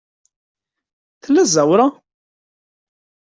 Tella ẓẓawra?